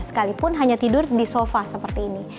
sekalipun hanya tidur di sofa seperti ini